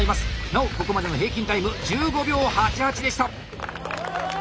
なおここまでの平均タイム１５秒８８でした。